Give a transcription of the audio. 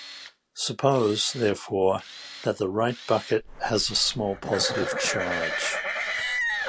Suppose, therefore, that the right bucket has a small positive charge.